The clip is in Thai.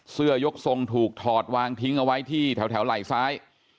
เสื้อยกทรงถูกถอดวางทิ้งเอาไว้ที่แถวไหล่ซ้าย